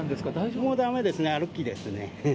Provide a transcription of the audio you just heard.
もうだめですね、歩きですね。